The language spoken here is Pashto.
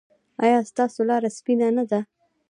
ایا ستاسو لاره سپینه نه ده؟